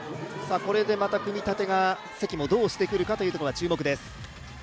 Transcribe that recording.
これでまた組み立てが、関もどうしてくるかというのが注目です。